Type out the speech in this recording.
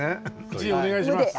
１位お願いします。